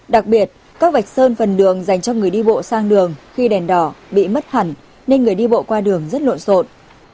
đặc biệt các vạch sơn phần đường dành cho người đi bộ sang đường khi đèn đỏ bị mất hẳn nên người đi bộ qua đường rất lộn xộn